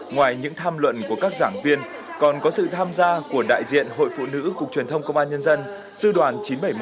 ngoài những tham luận của các giảng viên còn có sự tham gia của đại diện hội phụ nữ cục truyền thông công an nhân dân sư đoàn chín trăm bảy mươi một